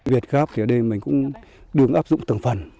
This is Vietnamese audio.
việt gáp thì ở đây mình cũng đường áp dụng tầng phần